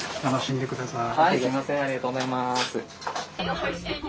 ありがとうございます。